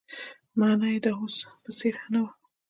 مانا يې هم د اوس په څېر نه وه.